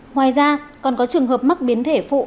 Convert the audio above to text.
ngoài ra còn có trường hợp mắc biến thể phụ